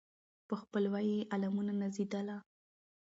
په خپلوي یې عالمونه نازېدله